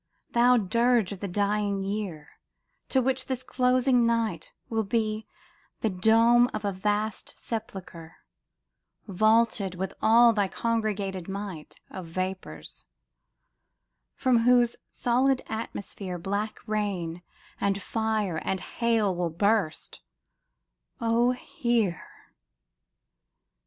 Thou dirge Of the dying year, to which this closing night Will be the dome of a vast sepulchre, Vaulted with all thy congregated might Of vapours, from whose solid atmosphere Black rain, and fire, and hail will burst : oh, hear !